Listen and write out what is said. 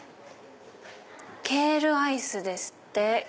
ケールアイスですって。